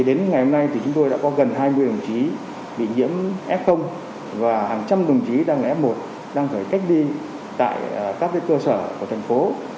đến ngày hôm nay thì chúng tôi đã có gần hai mươi đồng chí bị nhiễm f và hàng trăm đồng chí đang là f một đang phải cách ly tại các cơ sở của thành phố